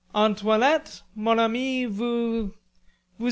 "Antoinette, mon ami vous...